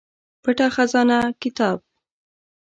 پټه خزانه کتاب